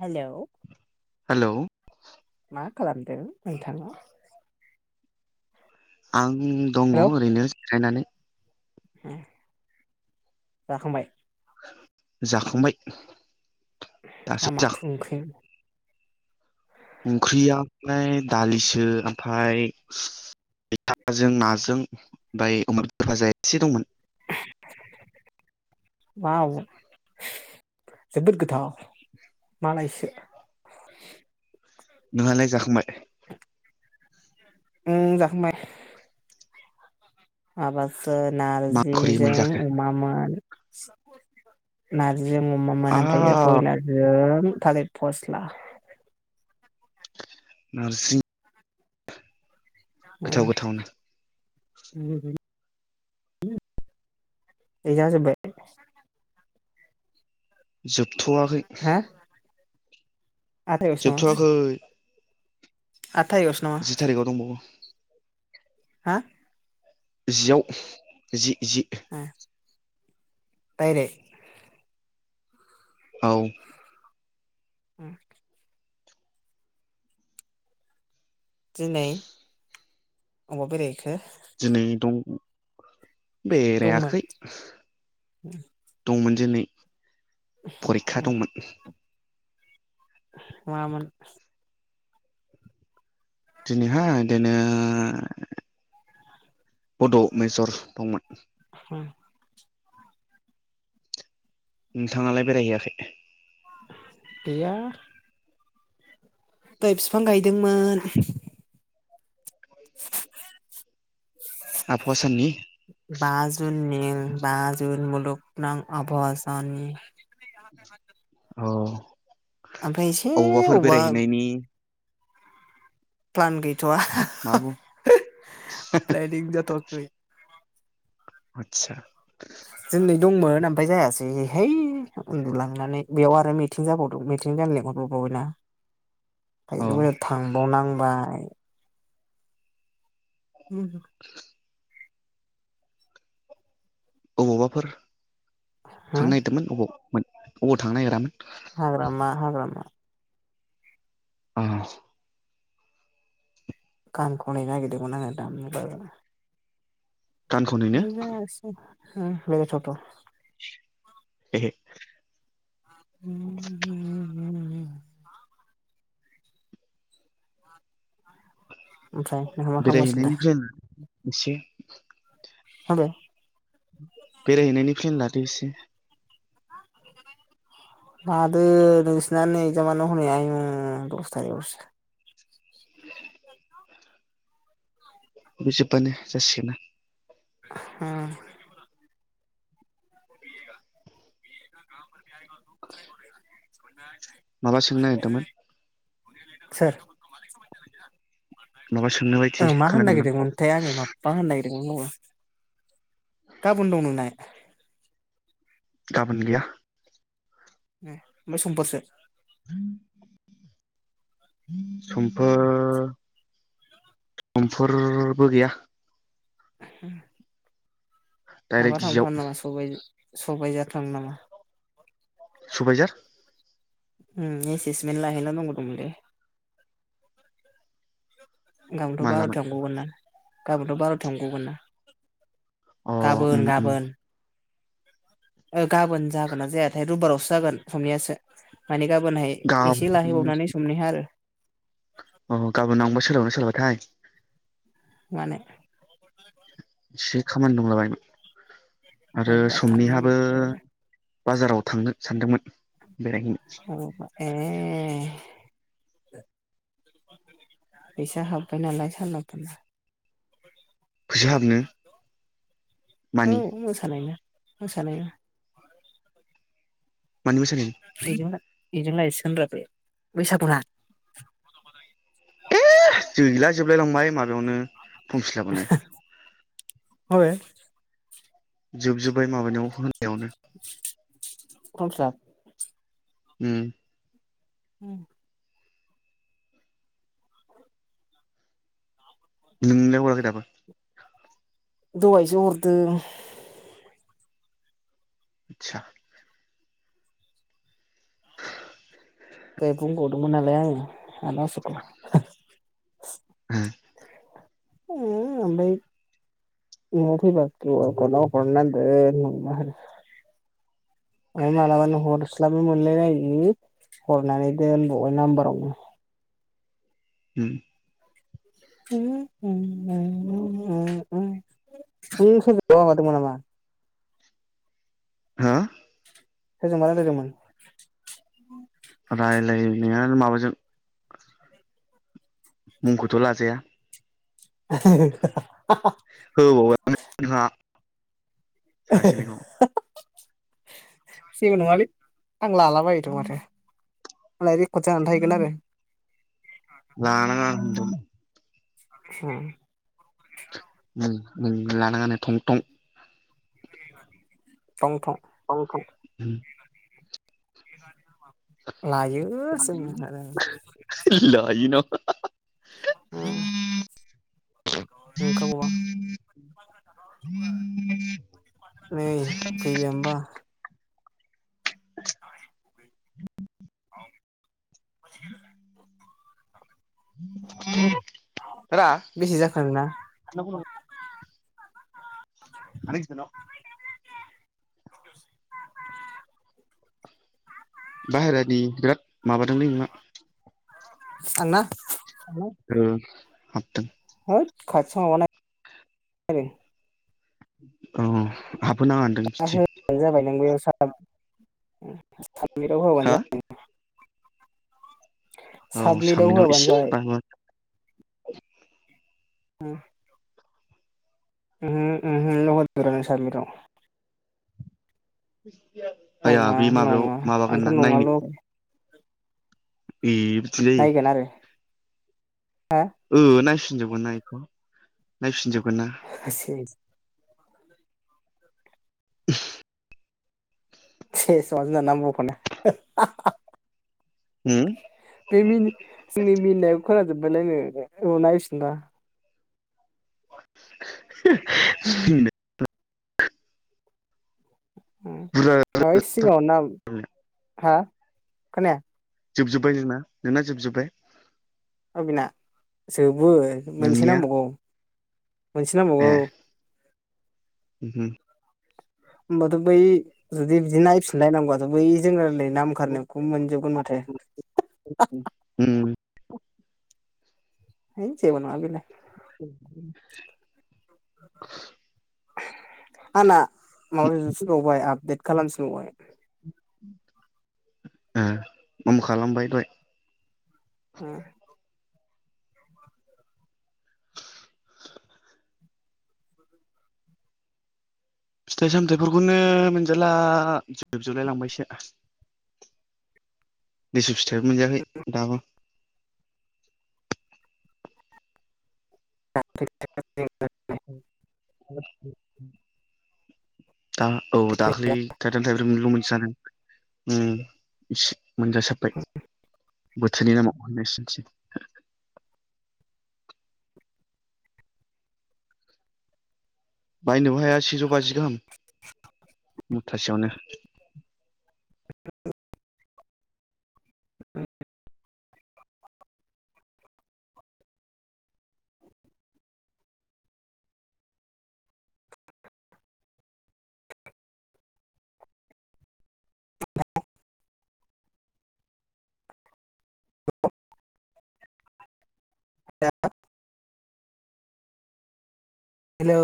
Hello hello मा खालामदों नोंथाङा आं दङ हेलौ ओरैनो जेरायनानै उम जाखांबाय? जाखांबाय। हा दासो जाखां माथो ओंख्रि ओंख्रिया ओमफ्राय दालिसो ओमफ्राय मैथाजों नाजों ओमफ्राय अमा बेदर भाजा एसे दंमोन। [inaudible] वाव जोबोद गोथाव मालायसो नोङालाय जाखांबाय? उम जाखांबाय। माबाफोर मा ओंख्रि नारजिजों मोनजाखो अमामोन। नारजिजों अमामोन आ ओमफायो बयलारजों थालिर फस्ला नारसिं गोथाव उम गोथावनो [unintelligible] ए जाजोबबाय जोबथ'वाखै। आथाइस न [unintelligible] जोबथ'वाखै आद थाइस न [unintelligible] जेरैगाव दंबावो हा? जियाव जि जि ओ दायरेग? औ उम दिनै अबाव बेरायहैखो? दिनै दं दंमोन बेरायाखै। दंमोन दिनै। [inaudible] परिखा दंमोन। मामोन दिनैहाय दिनै बड' मेजर दंमोन। ह [unintelligible] नोंथाङालाय बेरायहैयाखै? गैया दहय फिफां गायदोंमोन। [inaudible] आबहावा साननि? बा जुननि बा जुन मुलुगनां आवहावा साननि। अ ओमफ्राय एसे अबावबाफोर अबेबा बेरायहैनायनि प्लान गैथ'वा मा बुं [inaudible] प्लेनिं जाथ'सै आदसा दिनै दंमोन ओमफाय जायासैहाय है उन्दुलांनानै बेवाव आरो मि थिं जाबावदों मिथिं जानो लेंहरब्रब बावबाय अ ना थांबावनांबाय उम [unintelligible] [unintelligible] अबावबाफोर हो थांनो नागिरदोंमोन अबाव अबाव थांनो नागिरामोन। हाग्रामा हाग्रामा। [unintelligible] गान खनो नागिरदोंमोन आङो दामनोबो। गानखौनोनो [unintelligible] [unintelligible] [unintelligible] ओमफ्राय मा खालामगासिनो दा? बेरायहैनायनि प्लेन एसे [unintelligible] बेरायहैनायनि फेन लादो एसे लादो नोंसिना नै एजामानो हनै आयमुं दस थारिखआवसो। बे जोबबानो जासिगोनना। ह। [unintelligible] माबा सोंनो नागिरदोंमोन। सोर। माबा सोंनो बायदि मा होननो खोनादोंमोन आं नागिरदोंमोनथाय मा मा होनो नागिरदों बावबाय गाबोन दं नोंना। गाबोन गैया ए ओमफ्राय समफोरसो [inaudible] समफोर समफोरबो गैया [inaudible] माबा डाइरेक्ट जियाव थांफानो नामा स सबाय जार थांनो नामा सबायजार हम एसिसमेन्द लानो नांगौ दंमोन लै। गाबोनथ' मानलामोन बार'थायाव गगोन ना गाबोनथ' बार'थायाव गगोन ना। अ उम गाबोन उम गाबोन ओ गाबोन जागोनना जायाथाय रुबिबारावसो जागोन समनियासो माने गाबोनहाय एसे गाबोन लाहैबावनानै समनिहा आरो अ' गाबोन आंबो सोलाबगोनना सोलाबा थाय मानो। एसे खामानि दंला बायोमोन आरो अबावबा थांनो समनिहाबो नागिरदों बाजाराव थांगोन सानदोंमोन बेरायहैनो ओ ए फैसा हाबबाय नालाय सालाफोरा फैसा हाबनो औ मानि मोसानायना मोसानायना मानि मोसानाय बेजों दा बेजों लायसिगोन रा बे बैसागु ना गैला जोबलाय लांबाय माबायावनो फिलाबावनो [unintelligible] जोबजोब्बाय माबानिआव पर्म फिल आप उम उम नोंलाय हराखै दाबो दहायसो हरदों इतसा दहाय बुंबावदोंमोन नालाय आङो [inaudible] उम उम आमफाय बेंआव फैबा [unintelligible] आव हरनानै दोन ओमफाय मालाबानो हरस्लाबनो मोनलायलायि हरनानै दोनबावबाय नाम्बारावनो उम [inaudible] नों सोरजोंबा माबा दोंमोन नामा हो सोरजोंबा रायलायदोंमोन? रायलायनायानो माबाजों मुंखौथ' लाजाया [unintelligible] होबावबाय नामा नोंहा सासेनिखौ [unintelligible] जेबो नङालै आं लाला बायोथ' माथो मालाय रेकर्ड जानानै थाहैगोन आरो लानाङा होनदों [inaudible] ओम नों लानाङानो थं थं थं थ' थं थं उम [inaudible] लायो जों आरो लायो ना [unintelligible] उम नंखागौबा [inaudible] नै बैबेमबा [inaudible] [inaudible] बेसे जाखो नोंना [inaudible] आनै इसानाव बाहेरानि बिराद माबादोंलै नोंना आंना हेलौ ओ हाबदों होयद खाथियाव माबा नाय [inaudible] औ हाबबो नाङा दां बिदि हानो जाबाय नोंबो बेयाव साब साबमिदआव हा होबानो जाबाय औ साबमिटाव साबमिदाव होबानो इसे जाबाय बाबो ओम [inaudible] आया नङा बे माबायाव नङा माबागोन आंथ' ना नङाल' नायनायाव [inaudible] नायगोन आरोे ओ नायफिनजोबगोन ना इखौ नायफिनजोबगोन ना। आसुरिद [inaudible] [inaudible] ङो [unintelligible] बे मिनि जोंनि मिनिनायखौ खोनाजोब्बायलायनो उनाव नायफिनबा। [inaudible] ओम बुरजा है सिगाङावनो ना हा खोनाया जोबजोब्बाय नोंना नोंना जोबजोब्बाय अ बिना जोबो मोनसे नोंनिया नांबावगौ। मोनसे ए नांबावगौ। उम होमबाथ' बै जुदि बिदि नायफिनलायनांगौबाथ' बै जों रायलायनाय नाम खारिनाय ओम मोनजोबगोन माथो उम है जेबो नङा बेलाय [inaudible] आना माबाया जोबसिन बावबाय आबदेद खालामनो थिनबावबाय। ओ आंबो खालामबाय दहाय ओम फिथाइ -सामथाइफोरखौनो मोनजाला जोबजोबलाय लांबायसो। लिसु फिथाइबो मोनजायाखै दाबो। [unintelligible] [inaudible] दा औ दाख्लै थाइथाम थाइब्रैमोनल ' मोनजादों। ओम इसे मोनजासाबबाय बोथोरनि नामाव नोंसोरनिथि बायनोबो हाया सेजौ बाजि गाहाम मुथासेयावनो। [inaudible] हेलौ।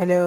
हेलौ।